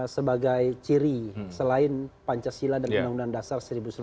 sebagai ciri selain pancasila dan undang undang dasar seribu sembilan ratus empat puluh